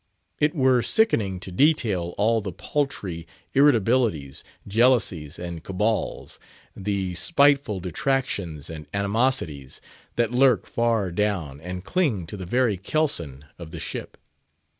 It were sickening to detail all the paltry irritabilities, jealousies, and cabals, the spiteful detractions and animosities, that lurk far down, and cling to the very kelson of the ship.